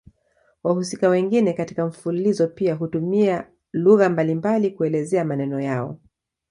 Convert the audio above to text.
Wahusika wengine katika mfululizo pia hutumia lugha mbalimbali kuelezea maneno yao.